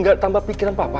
gak tambah pikiran papa